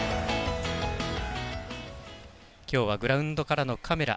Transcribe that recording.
きょうはグラウンドからのカメラ。